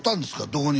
どこに？